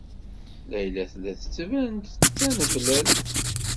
Layla tella tettban-d d tanablalt.